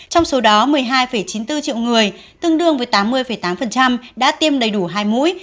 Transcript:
trong số đó một mươi hai chín mươi bốn triệu người tương đương với tám mươi tám đã tiêm đầy đủ hai mũi